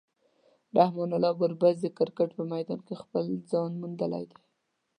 رحمان الله ګربز د کرکټ په میدان کې خپل ځای موندلی دی.